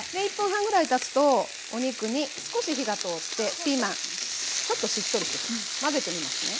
１分半ぐらいたつとお肉に少し火が通ってピーマンちょっとしっとりしてきます。